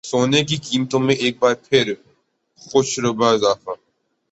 سونے کی قیمتوں میں ایک بار پھر ہوشربا اضافہ